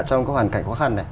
trong cái hoàn cảnh khó khăn này